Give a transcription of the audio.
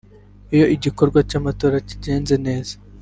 iyo igikorwa cy’amatora kigenze neza